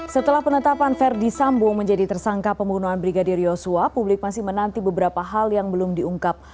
setelah penetapan verdi sambo menjadi tersangka pembunuhan brigadir yosua publik masih menanti beberapa hal yang belum diungkap